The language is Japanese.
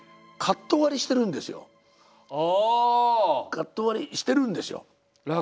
カット割りしてるんですよ。